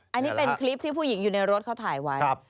อันนี้เป็นคลิปที่ผู้หญิงอยู่ในรถเขาถ่ายไว้